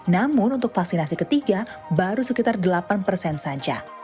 namun untuk vaksinasi ketiga baru sekitar delapan persen saja